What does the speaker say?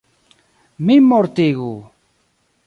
Min mortigu!